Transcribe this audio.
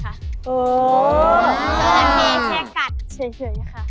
จราเข้แค่กัดเฉยค่ะ